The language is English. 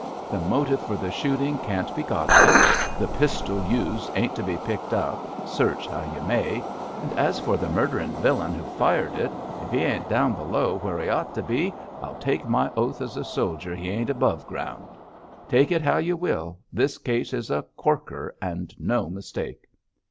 The motive for the shooting can't be got at; the pistol used ain't to be picked up, search how you may; and as for the murdering villain who fired it, if he ain't down below where he ought to be, I'll take my oath as a soldier he ain't above ground. Take it how you will, this case is a corker and no mistake.'